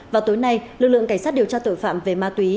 vào tối nay lực lượng cảnh sát điều tra tội phạm về ma túy